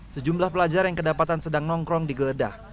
sejumlah pelajar yang kedapatan sedang nongkrong digeledah